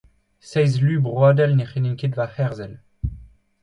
Seizh lu broadel ne c'hellint ket va herzhel.